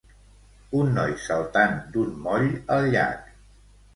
Un noi saltant d'un moll al llac.